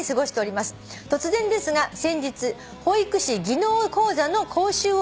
「突然ですが先日保育士技能講座の講習を受けて参りました」